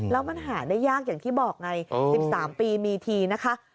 แล้วมันหาได้ยากอย่างที่บอกไง๑๓ปีมีทีนะคะ